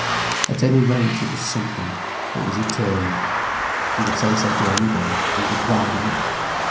At any rate, it was something, it was eternal. He would say so to anybody, and be proud of it.